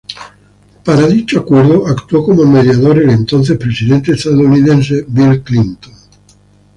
Para dicho acuerdo actuó como mediador el entonces presidente estadounidense Bill Clinton.